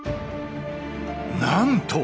なんと！